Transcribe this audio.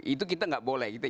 itu kita nggak boleh